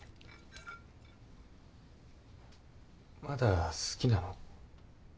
まだ好きなの？